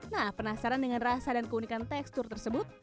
nah penasaran dengan rasa dan keunikan tekstur tersebut